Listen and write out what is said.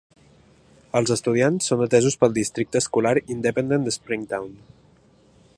Els estudiants són atesos pel Districte Escolar Independent de Springtown.